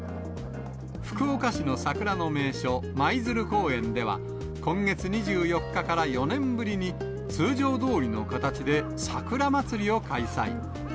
福岡市の桜の名所、舞鶴公園では、今月２４日から４年ぶりに通常どおりの形でさくらまつりを開催。